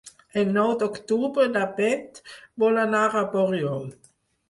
El nou d'octubre na Beth vol anar a Borriol.